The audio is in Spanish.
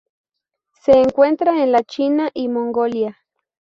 Se encuentra en la China y Mongolia.